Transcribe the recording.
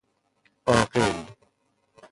عاقل